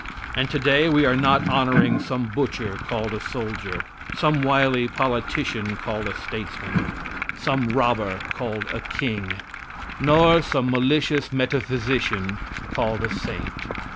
And today we are not honoring some butcher called a soldier some wily politician called a statesman some robber called a king nor some malicious metaphysician called a saint.